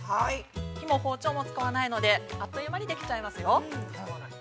火も包丁も使わないので、あっという間にできちゃいますよ。